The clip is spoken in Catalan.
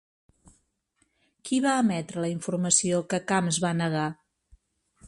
Qui va emetre la informació que Camps va negar?